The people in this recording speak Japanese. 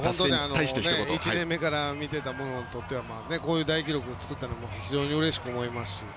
１年目から見てたものに対してはこういう大記録を作ったのも非常にうれしく思いますし。